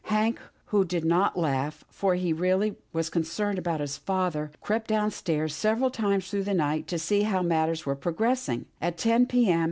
Hank, who did not laugh, for he was really concerned about his father, crept downstairs several times through the night to see how matters were progressing. At ten p. m.